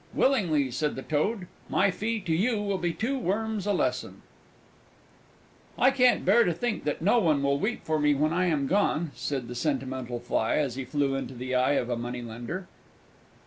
"Willingly," said the Toad; "my fee to you will be two worms a lesson." "I can't bear to think that no one will weep for me when I am gone!" said the sentimental Fly, as he flew into the eye of a Moneylender.